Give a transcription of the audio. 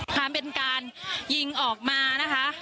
เป็นการยิงออกมานะคะ